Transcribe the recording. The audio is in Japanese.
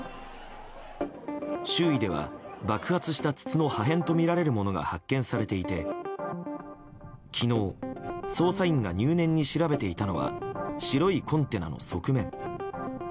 周囲では、爆発した筒の破片とみられるものが発見されていて昨日、捜査員が入念に調べていたのは白いコンテナの側面。